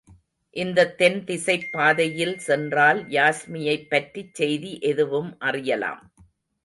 இந்தத் தென் திசைப் பாதையில் சென்றால், யாஸ்மியைப் பற்றிச் செய்தி எதுவும் அறியலாம்.